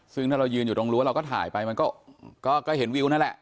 ซึ่งถ้าเรายืนอยู่ตรงรั้วเราก็ถ่ายไปมันก็เห็นวิวนั่นแหละ